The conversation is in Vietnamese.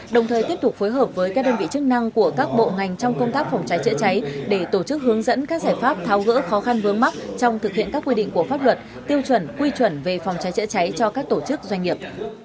đồng thời tiếp tục phối hợp với các đơn vị chức năng của các bộ ngành trong công tác phòng cháy chữa cháy để tổ chức hướng dẫn các giải pháp tháo gỡ khó khăn vướng mắt trong thực hiện các quy định của pháp luật tiêu chuẩn quy chuẩn về phòng cháy chữa cháy cho các tổ chức doanh nghiệp